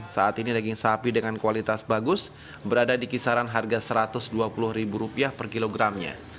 saat ini daging sapi dengan kualitas bagus berada di kisaran harga rp satu ratus dua puluh per kilogramnya